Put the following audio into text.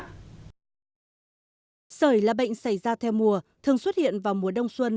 sởi là bệnh xảy ra theo mùa thường xuất hiện vào mùa đông xuân